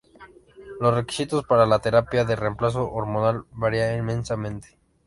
Los requisitos para la terapia de reemplazo hormonal varían inmensamente.